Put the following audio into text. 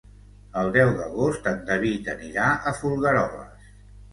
El deu d'agost en David anirà a Folgueroles.